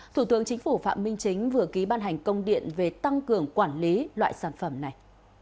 thủ tướng chính phủ phạm minh chính vừa ký ban hành công điện về tăng cường quản lý loại sản phẩm này